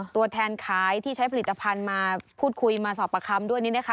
ตัวแทนขายที่ใช้ผลิตภัณฑ์มาพูดคุยมาสอบประคำด้วยนี่นะคะ